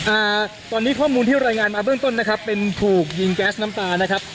อ่าตอนนี้ข้อมูลที่รายงานมาเบื้องต้นนะครับเป็นถูกยิงแก๊สน้ำตานะครับ